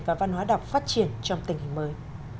và văn hóa đọc phát triển trong tình hình mới